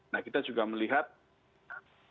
nah kita juga melihat dalam beberapa hal